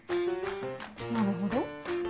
なるほど。